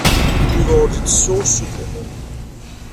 Yuba ur d-ittessu usuten.